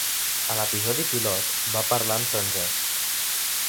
A l'episodi pilot, va parlar en francès.